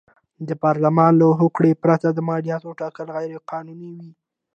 د پارلمان له هوکړې پرته مالیاتو ټاکل غیر قانوني و.